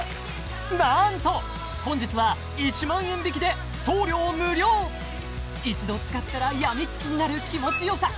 なんと本日は１万円引きで送料無料１度使ったら病みつきになる気持ちよさ